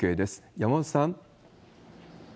山本さん。